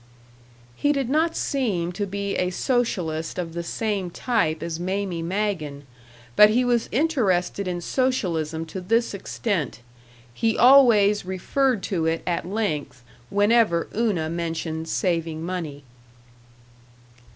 He did not seem to be a socialist of the same type as Mamie Magen, but he was interested in socialism to this extent he always referred to it at length whenever Una mentioned saving money.